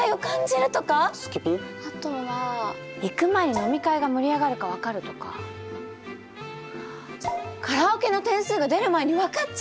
あとは「行く前に飲み会が盛り上がるか分かる」とか「カラオケの点数が出る前に分かっちゃう」とか！